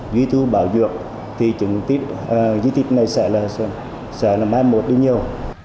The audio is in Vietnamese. quỹ thu bảo dược thì trưng tích di tích này sẽ là mái một rất nhiều